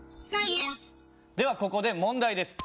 ではここで問題です。